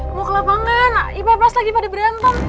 mau ke lapangan iya pas lagi pada berantem